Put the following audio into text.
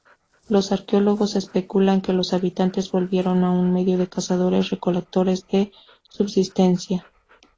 Los arqueólogos especulan que los habitantes volvieron a un medio de cazadores-recolectores de subsistencia.